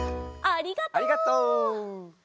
ありがとう。